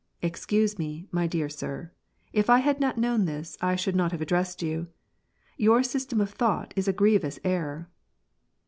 Excuse me, my dear sir, if I had not known this, I should not have addressed you. Your system of thought is a grievous error."